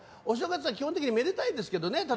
お正月は基本的にめでたいですけどね